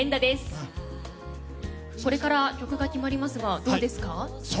これから曲が決まりますがどうですか？